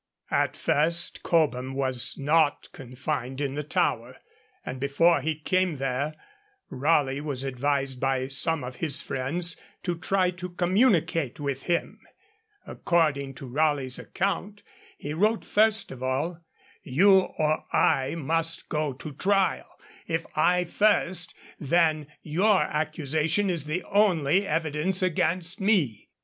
At first Cobham was not confined in the Tower, and before he came there Raleigh was advised by some of his friends to try to communicate with him. According to Raleigh's account, he wrote first of all, 'You or I must go to trial. If I first, then your accusation is the only evidence against me.'